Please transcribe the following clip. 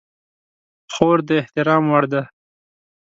خور د احترام وړ ده.